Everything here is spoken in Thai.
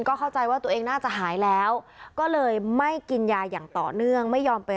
ก็เข้าใจว่าตัวเองน่าจะหายแล้วก็เลยไม่กินยาอย่างต่อเนื่องไม่ยอมไป